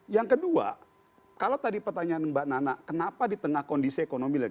yang kedua kalau tadi pertanyaan mbak nana kenapa di tengah kondisi ekonomi lagi